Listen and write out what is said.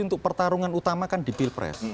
untuk pertarungan utama kan di pilpres